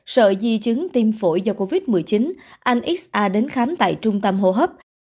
sợ di chứng tiêm phổi do covid một mươi chín anh xr đến khám tại trung tâm hô hấp